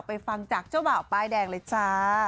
ฟังจากเจ้าบ่าวป้ายแดงเลยจ้า